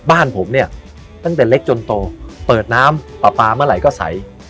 บ้านผมเนี่ยตั้งแต่เล็กจนโตเปิดน้ำปลาปลาเมื่อไหร่ก็ใส